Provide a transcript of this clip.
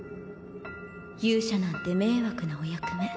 勇者なんて迷惑なお役目。